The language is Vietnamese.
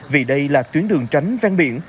vì đây là tuyến đường tránh ven biển